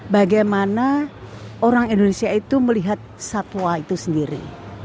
bagaimana orang indonesia itu melihat satwa itu sendiri